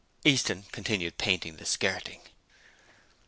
Easton continued painting the skirting.